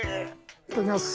いただきます。